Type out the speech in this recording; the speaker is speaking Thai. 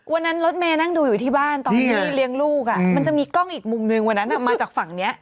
วันนั้นรถแม่นั่งดูอยู่ที่บ้านตอนที่เรียงลูกอ่ะมันจะมีกล้องอีกมุมหนึ่งวันนั้นอ่ะมาจากฝั่งเนี้ย